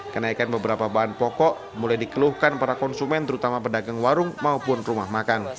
kenaikan beberapa bahan pokok mulai dikeluhkan para konsumen terutama pedagang warung maupun rumah makan